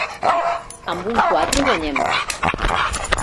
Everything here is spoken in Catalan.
Amb un quatre guanyem.